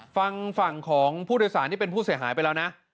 ฝั่งฝั่งของผู้โดยสารที่เป็นผู้เสียหายไปแล้วนะ